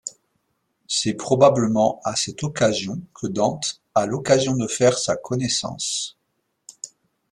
C'est probablement à cette occasion que Dante a l'occasion de faire sa connaissance.